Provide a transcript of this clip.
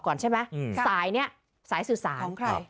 ก่อนใช่ไหมอืมสายเนี้ยสายสื่อสารของใคร